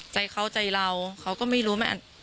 ใจเขาใจเราเขาก็ไม่รู้